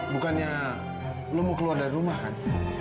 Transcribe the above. bukannya lo mau keluar dari rumah kan